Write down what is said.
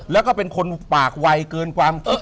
แล้วก็เป็นคนปากวัยเกินความ